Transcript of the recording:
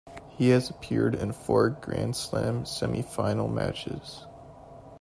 He has appeared in four Grand Slam semifinal matches.